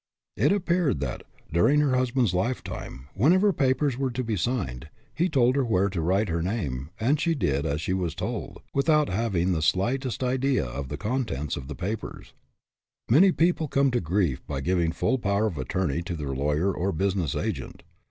It appeared that, during her husband's lifetime, whenever papers were to be signed, he told her where to write her name, and she did as she was told, without having the slight est idea of the contents of the papers. Many people have come to grief by giving full power of attorney to their lawyer or busi ness agent.